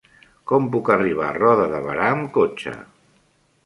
Com puc arribar a Roda de Berà amb cotxe?